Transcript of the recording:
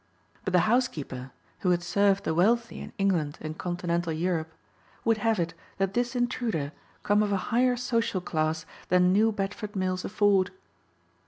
But the housekeeper who had served the wealthy in England and Continental Europe would have it that this intruder come of a higher social class than New Bedford mills afford.